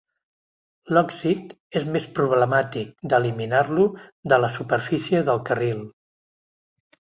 L'òxid és més problemàtic d'eliminar-lo de la superfície del carril.